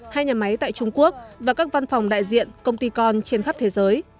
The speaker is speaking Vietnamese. hai nhà máy tại trung quốc và các văn phòng đại diện công ty con trên khắp thế giới